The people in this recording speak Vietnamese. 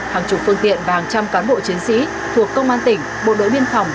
hàng chục phương tiện và hàng trăm cán bộ chiến sĩ thuộc công an tỉnh bộ đội biên phòng